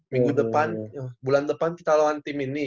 minggu depan bulan depan kita lawan tim ini